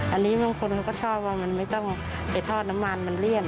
อันนี้บางคนเขาก็ชอบว่ามันไม่ต้องไปทอดน้ำมันมันเลี่ยน